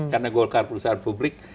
karena golkar perusahaan publik